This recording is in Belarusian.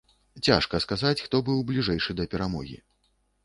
Цяжка сказаць, хто быў бліжэйшы да перамогі.